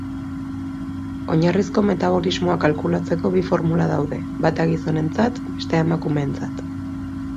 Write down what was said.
Oinarrizko metabolismoa kalkulatzeko bi formula daude, bata gizonentzat, bestea emakumeentzat.